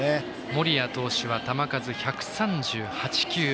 森谷投手は球数１３８球。